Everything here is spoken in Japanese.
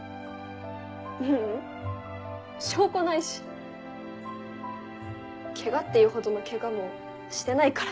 ううん証拠ないしケガっていうほどのケガもしてないから。